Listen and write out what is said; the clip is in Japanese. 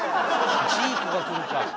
「ジーコ」がくるか。